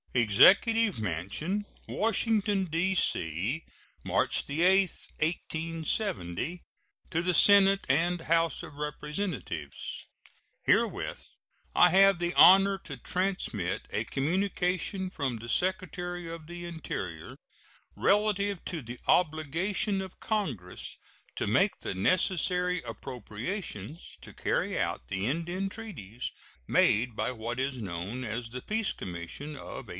EXECUTIVE MANSION, Washington, D.C., March 8, 1870. To the Senate and House of Representatives: Herewith I have the honor to transmit a communication from the Secretary of the Interior, relative to the obligation of Congress to make the necessary appropriations to carry out the Indian treaties made by what is known as the Peace Commission of 1867.